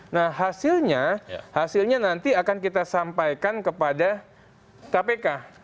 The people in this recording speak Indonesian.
nah hasilnya hasilnya nanti akan kita sampaikan kepada kpk